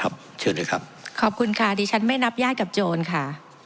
บิรุณอาจารย์ขอบคุณค่ะดิฉันไม่นับญาติกับโจทย์ค่ะ